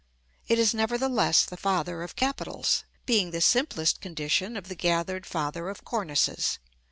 It is, nevertheless, the father of capitals; being the simplest condition of the gathered father of cornices.